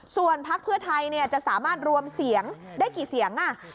ส่วนพักเพื่อไทยจะสามารถรวมเสียงได้กี่เสียง